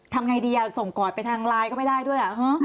ทำไงดีส่งกอดไปทางไลน์ก็ไม่ได้ด้วย